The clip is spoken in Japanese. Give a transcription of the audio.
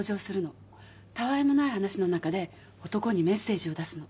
たわいもない話の中で男にメッセージを出すの。